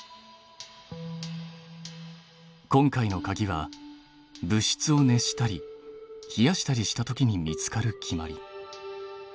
今回のかぎは物質を熱したり冷やしたりしたときに見つかる決まり。